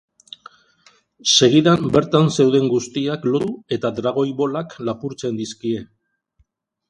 Segidan bertan zeuden guztiak lotu eta Dragoi Bolak lapurtzen dizkie.